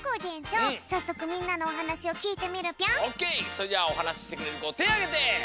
それじゃあおはなししてくれるこてあげて！